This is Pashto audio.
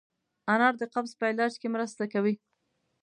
انار د قبض په علاج کې مرسته کوي.